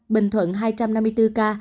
bình thuận hai năm mươi bốn ca